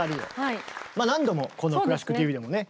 何度もこの「クラシックＴＶ」でもね